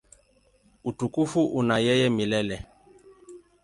Utukufu una yeye milele.